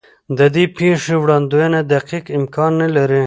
د دې پېښو وړاندوینه دقیق امکان نه لري.